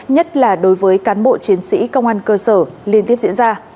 nhất là đối với cán bộ chiến sĩ công an cơ sở liên tiếp diễn ra